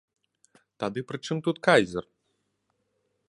Тады пры чым тут кайзер?